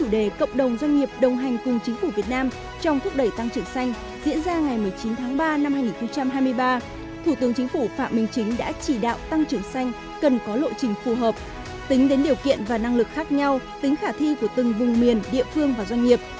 diễn ra ngày một mươi chín tháng ba năm hai nghìn hai mươi ba thủ tướng chính phủ phạm minh chính đã chỉ đạo tăng trưởng xanh cần có lộ trình phù hợp tính đến điều kiện và năng lực khác nhau tính khả thi của từng vùng miền địa phương và doanh nghiệp